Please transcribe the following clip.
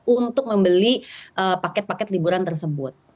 untuk membeli paket paket liburan tersebut